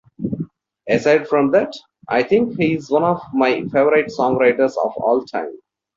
Aside from that, I think he's one of my favorite songwriters of all time.